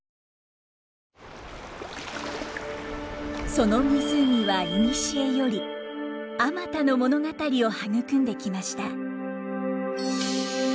その湖はいにしえよりあまたの物語を育んできました。